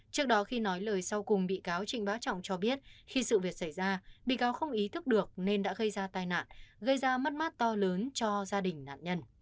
trước đó khi nói lời sau cùng bị cáo trịnh bá trọng cho biết khi sự việc xảy ra bị cáo không ý thức được nên đã gây ra tai nạn gây ra mất mát to lớn cho gia đình nạn nhân